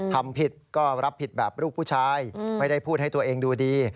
ทำผิดก็รับผิดแบบลูกผู้ชายไม่ได้พูดให้ตัวเองดูดี